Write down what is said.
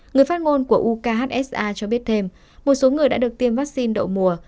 người phát ngôn của ukhsa cho biết thêm một số người đã được tiêm vaccine đậu mùa